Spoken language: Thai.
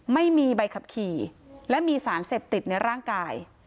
ไม่มีใบขับขี่และมีสารเสพติดในร่างกาย